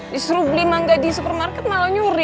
disuruh beli mangga di supermarket mau nyuri